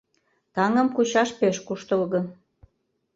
Таҥым кучаш пеш куштылго